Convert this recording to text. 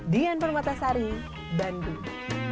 dian permatasari bandung